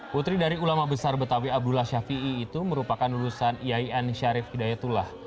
putri dari ulama besar betawi abdullah syafi'i itu merupakan lulusan iaian syarif hidayatullah